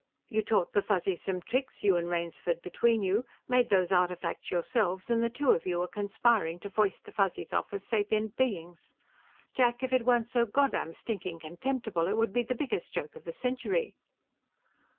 You taught the Fuzzies some tricks; you and Rainsford, between you, made those artifacts yourselves and the two of you are conspiring to foist the Fuzzies off as sapient beings. Jack, if it weren't so goddamn stinking contemptible, it would be the biggest joke of the century!"